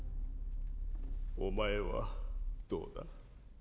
お前はどうだ？